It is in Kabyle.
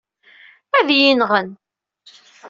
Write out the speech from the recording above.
Ad iyi-nɣen!